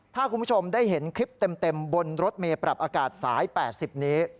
ถ้าคุณผู้ชมได้เห็นคลิปเต็มบนรถเมย์ปรับอากาศสาย๘๐นี้